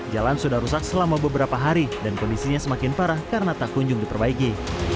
jalan sudah rusak selama beberapa hari dan kondisinya semakin parah karena tak kunjung diperbaiki